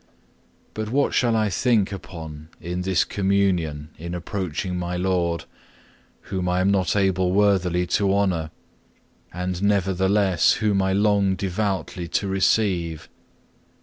But what shall I think upon in this Communion in approaching my Lord, whom I am not able worthily to honour, and nevertheless whom I long devoutly to receive?